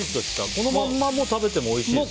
このまま食べてもおいしいですね。